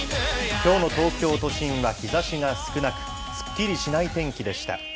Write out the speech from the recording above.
きょうの東京都心は日ざしが少なく、すっきりしない天気でした。